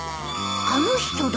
あの人だ。